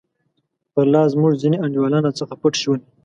پر لار زموږ ځیني انډیوالان راڅخه پټ شول.